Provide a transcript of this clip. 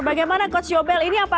bagaimana coach yobel